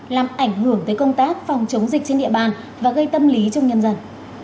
làm ảnh hưởng tới công tác phòng chống dịch trên địa bàn và gây tâm lý trong nhân dân